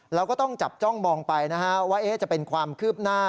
เราก็ต้องจับจ้องมองไปนะฮะว่าจะเป็นความคืบหน้า